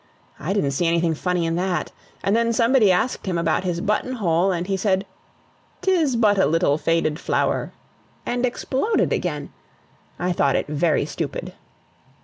I didn't see anything funny in that. And then somebody asked him about his button hole and he said ''Tis but a little faded flower,' and exploded again. I thought it very stupid."